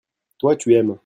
toi, tu aimes.